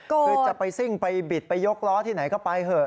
คือจะไปซิ่งไปบิดไปยกล้อที่ไหนก็ไปเถอะ